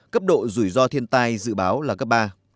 cấp độ rủi ro thiên tai dự báo là cấp ba